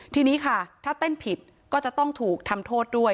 ทีนี้ค่ะถ้าเต้นผิดก็จะต้องถูกทำโทษด้วย